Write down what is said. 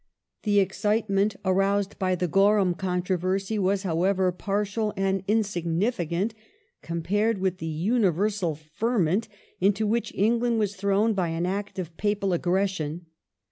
The excitement aroused by the Gorham controvei sy was. The Ro however, partial and insignificant compared with the universal ^^J! ,. ferment into which England was thrown by an act of " Papal hierarchy aggression".